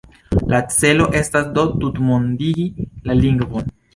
La celo estas do tutmondigi la lingvon.